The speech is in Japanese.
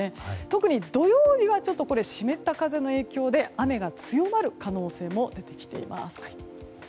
特に土曜日は湿った風の影響で雨が強まる可能性も出てきています。